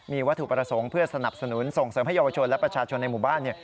มีวัตถุประสงค์เพื่อสนับสนุนส่งเสริมให้เยาวชนและประชาชนในหมู่บ้าน